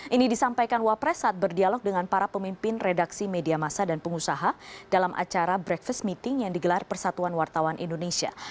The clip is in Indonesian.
ini disampaikan wapres saat berdialog dengan para pemimpin redaksi media masa dan pengusaha dalam acara breakfast meeting yang digelar persatuan wartawan indonesia